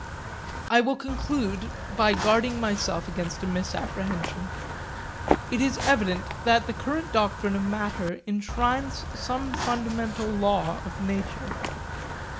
I will conclude by guarding myself against a misapprehension. It is evident that the current doctrine of matter enshrines some fundamental law of nature.